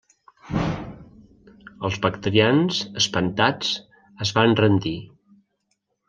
Els bactrians, espantats, es van rendir.